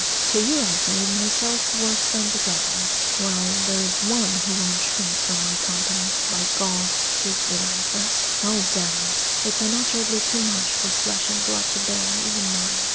to you I've made myself worse than the devil. Well, there is one who won't shrink from my company! By God! she's relentless. Oh, damn it! It's unutterably too much for flesh and blood to bear, even mine."